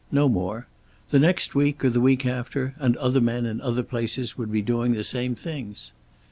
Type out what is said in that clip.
No more. The next week, or the week after, and other men in other places would be doing the same things.